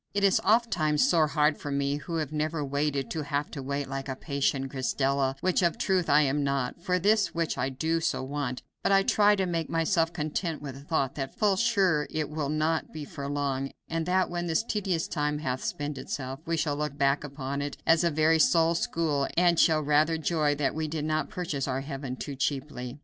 It is ofttimes sore hard for me, who have never waited, to have to wait, like a patient Griselda, which of a truth I am not, for this which I do so want; but I try to make myself content with the thought that full sure it will not be for long, and that when this tedious time hath spent itself, we shall look back upon it as a very soul school, and shall rather joy that we did not purchase our heaven too cheaply.